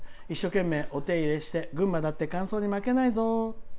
一生懸命お手入れして、群馬だって乾燥に負けないぞ。